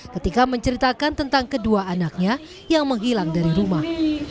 ketika menceritakan tentang kedua anaknya yang menghilang dari rumah